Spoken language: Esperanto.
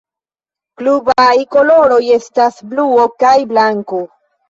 Klubaj koloroj estas bluo kaj blanko.